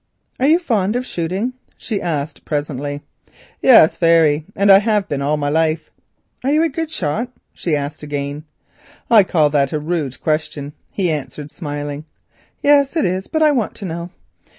"Are you fond of shooting?" she asked presently. "Yes, very, and have been all my life." "Are you a good shot?" she asked again. "I call that a rude question," he answered smiling. "Yes, it is, but I want to know."